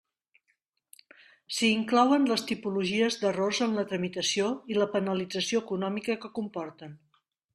S'hi inclouen les tipologies d'errors en la tramitació i la penalització econòmica que comporten.